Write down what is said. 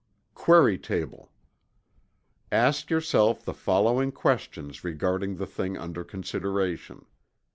QUERY TABLE. _Ask yourself the following questions regarding the thing under consideration.